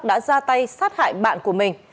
đã ra tay sát hại bạn của mình